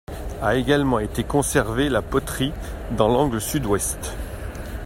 A également été conservée la porterie, dans l’angle sud-ouest.